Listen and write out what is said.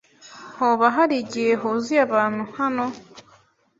Hoba harigihe huzuye abantu hano?